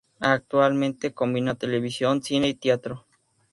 Actualmente, combina televisión, cine y teatro.